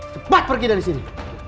cepat pergi dari sini